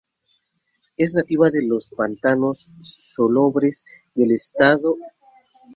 Es nativa de los pantanos salobres del este y sur de los Estados Unidos.